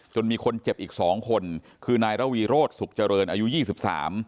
มีคนเจ็บอีกสองคนคือนายระวีโรธสุขเจริญอายุยี่สิบสาม